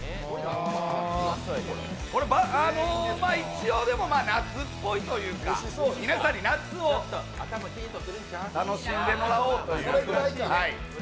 一応でも夏っぽいというか皆さんに夏を楽しんでもらおうという。